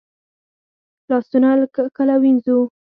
لاسونه کله ووینځو؟